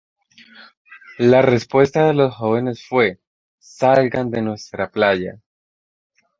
La respuesta de los jóvenes fue “Salgan de nuestra playa.